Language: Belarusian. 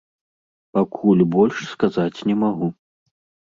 Пакуль больш сказаць не магу.